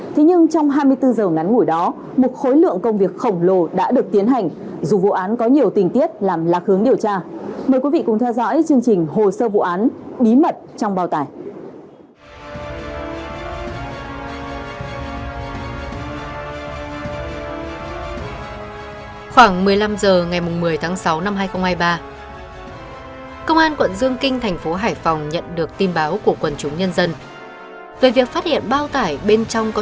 thế nhưng trong hai mươi bốn giờ ngắn ngủi đó một khối lượng công việc khổng lồ đã được tiến hành dù vụ án có nhiều tình tiết làm lạc hướng điều tra